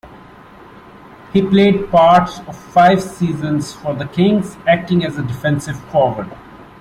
He played parts of five seasons for the Kings, acting as a defensive forward.